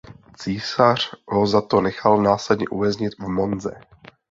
Císař ho za to nechal následně uvěznit v Monze.